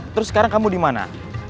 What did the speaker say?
terus sekarang kamu di mana